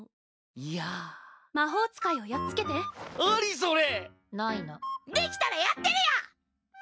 いや魔法使いをやっつけてあり⁉それないなできたらやってるよ